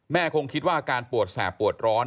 คงคิดว่าอาการปวดแสบปวดร้อน